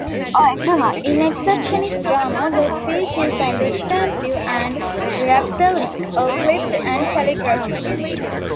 In Expressionist drama, the speech is either expansive and rhapsodic, or clipped and telegraphic.